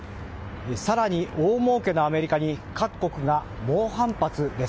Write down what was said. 更に大もうけのアメリカに各国が猛反発です。